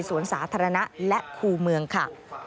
สวนสาธารณะและคู่เมืองค่ะ